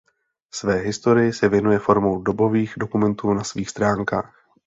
Své historii se věnuje formou dobových dokumentů na svých stránkách.